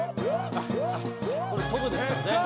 「これトムですからね」